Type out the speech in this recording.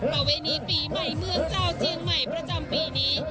ประเวณีปีใหม่เมืองชาวเจียงใหม่ประจำปีนี้